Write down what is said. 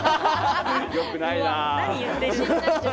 よくないな。